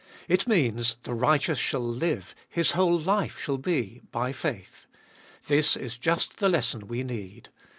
It means, the righteous shall live, his whole life shall be, by faith. This is just the lesson we need.